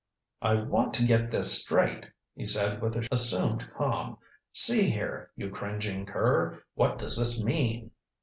"I want to get this straight," he said with assumed calm. "See here, you cringing cur what does this mean?"